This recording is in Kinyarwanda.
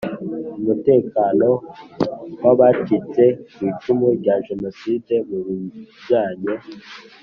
Umutekano w abacitse kw icumu rya Jenoside mu bijyanye